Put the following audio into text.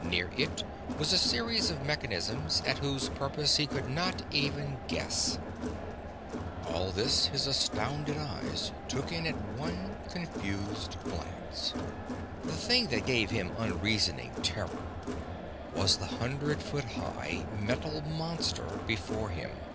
Near it was a series of mechanisms at whose purpose he could not even guess. All this his astounded eyes took in at one confused glance. The thing that gave him unreasoning terror was the hundred foot high metal monster before him.